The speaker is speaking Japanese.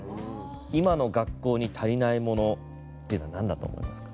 今の学校に足りないものっていうのはなんだと思いますか？